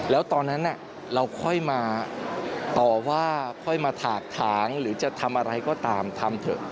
แล้วตอนนั้นเราค่อยมาต่อว่าค่อยมาถากถางหรือจะทำอะไรก็ตามทำเถอะ